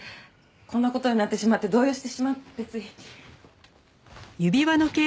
こんな事になってしまって動揺してしまってつい。